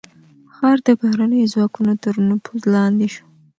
ښار د بهرنيو ځواکونو تر نفوذ لاندې شو.